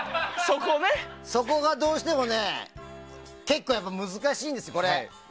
そこがどうしてもね結構難しいんです、これ。